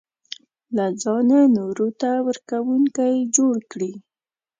له ځانه نورو ته ورکوونکی جوړ کړي.